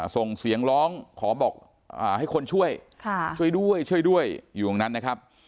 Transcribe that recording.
ส่งเสียงร้องขอบอกให้คนช่วยช่วยด้วยช่วยด้วยอยู่ตรงนั้นนะครับ